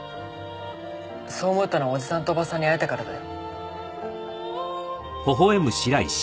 そう思えたのはおじさんとおばさんに会えたからだよ。